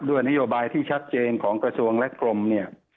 นโยบายที่ชัดเจนของกระทรวงและกรมเนี่ย